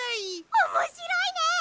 おもしろいね！